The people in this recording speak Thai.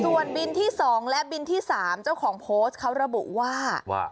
ส่วนบินที่๒และบินที่๓เจ้าของโพสต์เขาระบุว่า